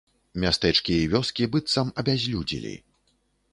Мястэчкі і вёскі быццам абязлюдзелі.